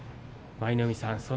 舞の海さん